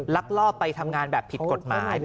ลักลอบไปทำงานแบบผิดกฎหมาย